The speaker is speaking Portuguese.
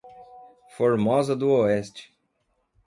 Formosa do Oeste